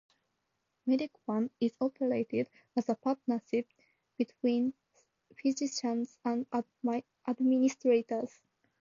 Medic One is operated as a partnership between physicians and administrators.